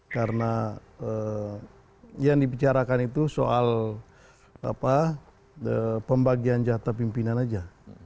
karena yang dibicarakan itu soal pembagian jahat pimpinan saja